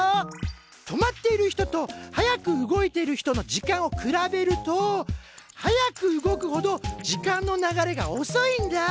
止まっている人と速く動いている人の時間を比べると速く動くほど時間の流れがおそいんだ。